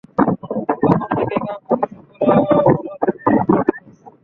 তখন থেকেই কাউকে কিছু বলার ব্যাপারে সতর্ক থাকছি।